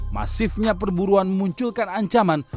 masifnya perburuan memunculkan ancaman